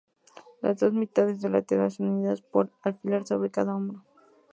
Las dos mitades de la tela son unidas por un alfiler sobre cada hombro.